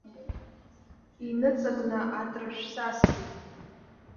Иныҵакны атрышә сасит.